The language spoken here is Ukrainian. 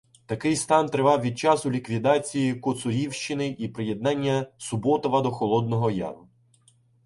Такий стан тривав від часу ліквідації коцурівщини і приєднання Суботова до Холодного Яру.